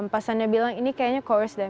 pas anda bilang ini kayaknya chorus deh